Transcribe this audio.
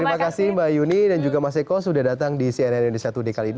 terima kasih mbak yuni dan juga mas eko sudah datang di cnn indonesia today kali ini